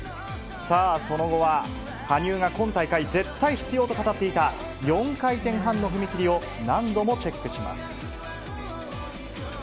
さあ、その後は羽生が今大会、絶対必要と語っていた４回転半の踏み切りを何度もチェックします。